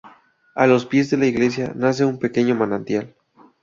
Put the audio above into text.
A los pies de la iglesia nace un pequeño manantial.